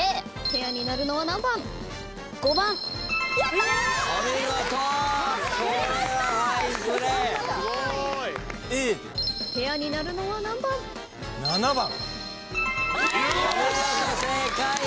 ペアになるのは何番？